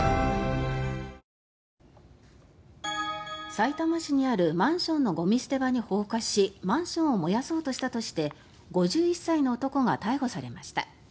さいたま市にあるマンションのゴミ捨て場に放火しマンションを燃やそうとしたとして５１歳の男が逮捕されました。